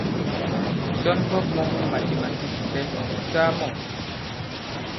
Ǹsɔnmbɔk mɔ̄ŋ mu màtèmàtîk kìpɛ, ɔ̀ saa mɔ̂ ?